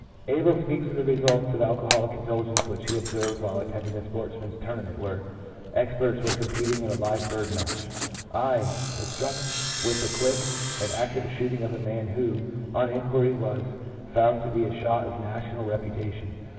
Abel 1 speaks of the results of alcoholic indulgence which he observed while attending a sportsman's tournament, where experts were competing in a live bird match. " I ... was struck with the quick and accurate shooting of a man who, on inquiry, was found to be a shot of national reputation.